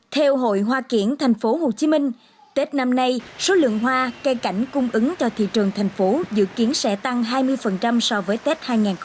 theo hội hoa kiển thành phố hồ chí minh tết năm nay số lượng hoa cây cảnh cung ứng cho thị trường thành phố dự kiến sẽ tăng hai mươi so với tết hai nghìn một mươi bảy